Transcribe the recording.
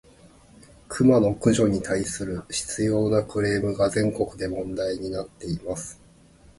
クマの駆除に対する執拗（しつよう）なクレームが、全国で問題になっています。